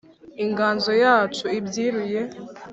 inganzo yacu ibyiruye,